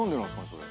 それ。